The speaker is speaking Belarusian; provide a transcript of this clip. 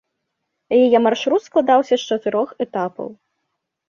Яе маршрут складаўся з чатырох этапаў.